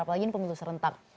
apalagi ini pemilu serentak